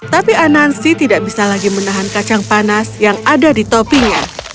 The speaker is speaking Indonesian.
tapi anansi tidak bisa lagi menahan kacang panas yang ada di topinya